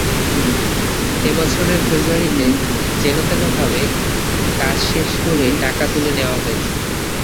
এ বছরের ফেব্রুয়ারিতে যেনতেনভাবে কাজ শেষ করে টাকা তুলে নেওয়া হয়েছে।